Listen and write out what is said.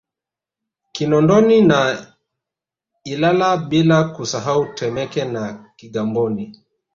Kinondoni na Ilala bila kusahau Temeke na Kigamboni